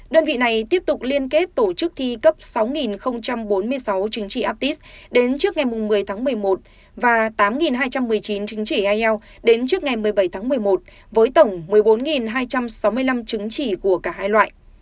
đơn vị này tiếp tục liên kết tổ chức thi cấp sáu bốn mươi sáu chứng trị aptis đến trước ngày một mươi tháng một mươi một và tám hai trăm một mươi chín chứng chỉ ielts đến trước ngày một mươi bảy tháng một mươi một với tổng một mươi bốn hai trăm sáu mươi năm chứng chỉ của cả hai loại